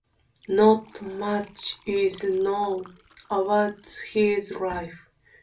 Not much is known about his life.